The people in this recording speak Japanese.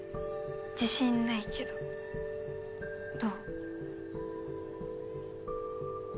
自信ないけどどう？